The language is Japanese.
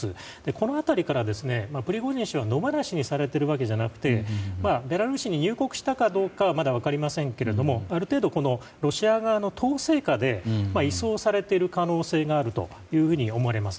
この辺りから、プリゴジン氏は野放しにされているわけではなくベラルーシに入国したかどうかはまだ分かりませんけれどもある程度、ロシア側の統制下で移送されている可能性があると思われます。